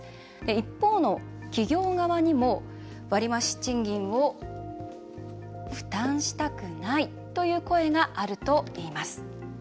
一方の企業側にも割増賃金を負担したくないという声があるといいます。